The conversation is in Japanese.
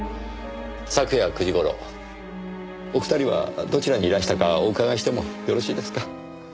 昨夜９時頃お二人はどちらにいらしたかお伺いしてもよろしいですか。